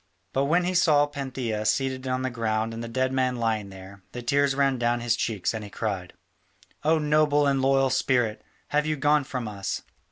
But when he saw Pantheia seated on the ground and the dead man lying there, the tears ran down his cheeks and he cried: "O noble and loyal spirit, have you gone from us?"